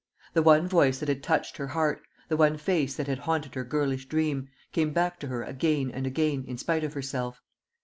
The one voice that had touched her heart, the one face that had haunted her girlish dream, came back to her again and again in spite of herself.